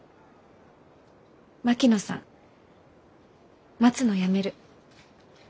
槙野さん待つのやめる。